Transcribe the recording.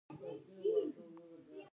کونړ دا ظرفیت لري.